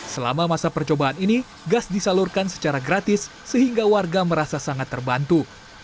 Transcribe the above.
selama masa percobaan ini gas disalurkan secara gratis sehingga warga merasa sangat terbantu